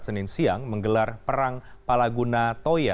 senin siang menggelar perang palaguna toya